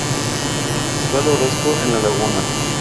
Pascual Orozco en La Laguna.